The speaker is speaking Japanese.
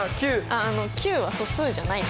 あっあの９は素数じゃないです。